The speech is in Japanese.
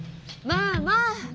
まあまあ。